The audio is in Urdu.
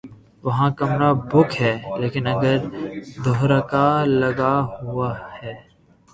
وہاں کمرہ بک ہے لیکن اگر دھڑکا لگا ہوا ہے۔